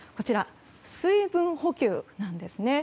水分補給なんですね。